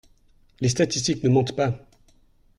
Les statistiques ne mentent pas!